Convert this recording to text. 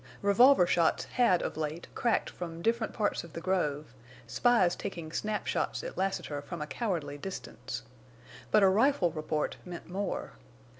Revolver shots had of late cracked from different parts of the grove—spies taking snap shots at Lassiter from a cowardly distance! But a rifle report meant more.